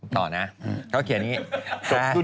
ต่อนะเขาเขียนอย่างนี้